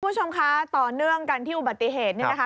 คุณผู้ชมคะต่อเนื่องกันที่อุบัติเหตุนี่นะคะ